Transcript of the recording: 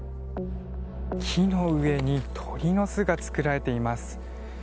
木の上に鳥の巣が作られています。